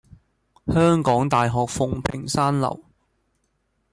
香港大學馮平山樓